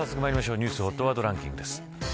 ニュースＨＯＴワードランキングです。